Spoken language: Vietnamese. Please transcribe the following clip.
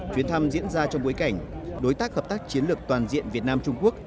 chuyến thăm diễn ra trong bối cảnh đối tác hợp tác chiến lược toàn diện việt nam trung quốc